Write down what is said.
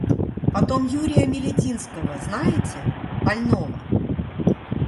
Потом Юрия Мелединского — знаете, больного?